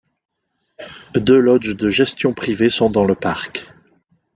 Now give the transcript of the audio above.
Deux lodges de gestion privée sont dans le parc.